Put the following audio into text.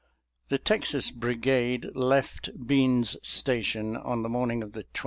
The Texas Brigade left Bean's Station on the morning of the 22d.